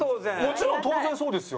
もちろん当然そうですよ。